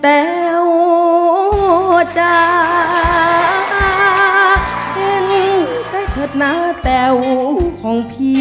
แต่วจะเป็นใจเถิดหนาแต่วของพี่